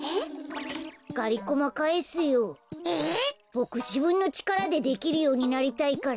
ボクじぶんのちからでできるようになりたいから。